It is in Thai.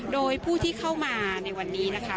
โดยผู้ที่เข้ามาในวันนี้นะคะ